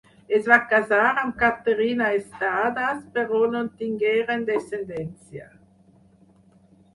Es va casar amb Caterina Estades, però no tingueren descendència.